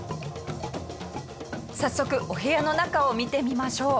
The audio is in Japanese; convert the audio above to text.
早速お部屋の中を見てみましょう。